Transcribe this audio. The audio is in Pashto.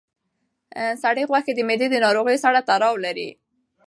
سرې غوښه د معدې د ناروغیو سره تړاو لري.